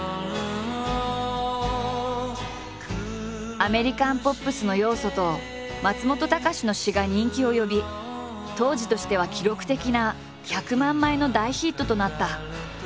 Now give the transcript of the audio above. アメリカンポップスの要素と松本隆の詞が人気を呼び当時としては記録的な１００万枚の大ヒットとなった。